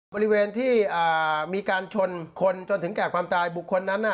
บริเวณที่มีการชนคนจนถึงแก่ความตายบุคคลนั้น